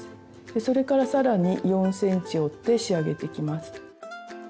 それから更に４ｃｍ折って仕上げていきます。